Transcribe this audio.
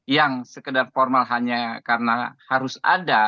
yang sekedar formal hanya karena harus ada